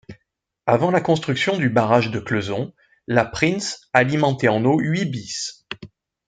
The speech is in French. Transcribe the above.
Avant la construction du barrage de Cleuson, la Printze alimentait en eau huit bisses.